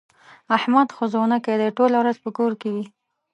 احمد ښځنوکی دی؛ ټوله ورځ په کور کې وي.